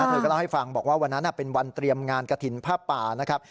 เธอก็เล่าให้ฟังบอกว่าวันนั้นเป็นวันเตรียมงานกระถิ่นผ้าป่านะครับ